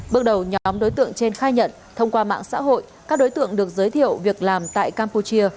bước đầu nhóm đối tượng trên khai nhận thông qua mạng xã hội các đối tượng được giới thiệu việc làm tại campuchia